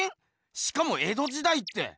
しかも江戸時代って。